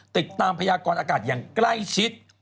ติดตามพญากรอากาศอย่างใกล้ชิด